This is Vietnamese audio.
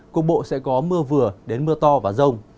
cục bộ sẽ có mưa vừa đến mưa to và rông